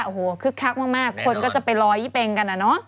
โอ้โหคึกคักมากคนก็จะไปลอยยี่เป็งกันอะเนาะ